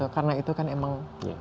karena itu kan emang